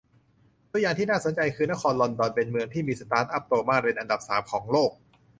ตัวอย่างที่น่าสนใจคือนครลอนดอน เป็นเมืองที่มีสตาร์ทอัพโตมากเป็นอันดับ สาม ของโลก